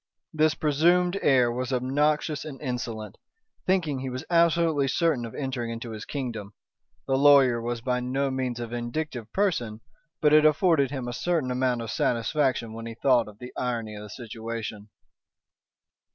This presumed heir was obnoxious and insolent, thinking he was absolutely certain of entering into his kingdom. The lawyer was by no means a vindictive person, but it afforded him a certain amount of satisfaction when he thought of the irony of the situation.